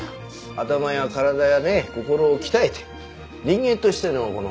頭や体やね心を鍛えて人間としての力を磨く事かな。